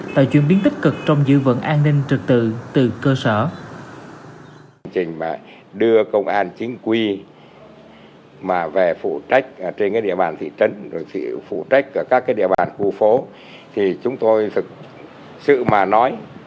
tạo chuyển biến tích cực trong giữ vững an ninh trật tự từ cơ sở